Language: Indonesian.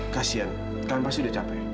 kasian kalian pasti udah capek